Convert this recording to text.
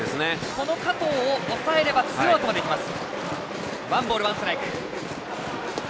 この加藤を抑えればツーアウトまでいきます。